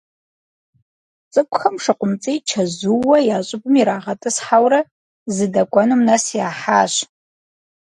ЦӀыкӀухэм ШыкъумцӀий чэзууэ я щӀыбым ирагъэтӀысхьэурэ зыдэкӀуэнум нэс яхьащ.